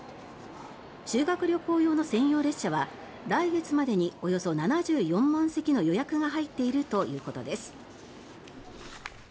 修学旅行用の専用列車は来月までにおよそ７４万席の予約が入っているということです。